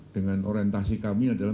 dengan orientasi kami adalah